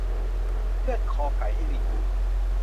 เชือดคอไก่ให้ลิงดู